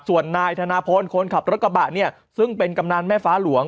ส่วนนายธนพลคนขับรถกระบะเนี่ยซึ่งเป็นกำนันแม่ฟ้าหลวง